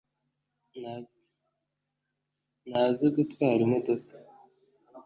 ntazi gutwara imodoka